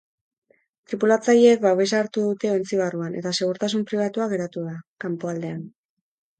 Tripulatzaileek babesa hartu dute ontzi barruan eta segurtasun pribatua geratu da kanpoaldean.